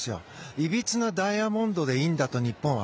いびつなダイヤモンドでいいんだと日本は。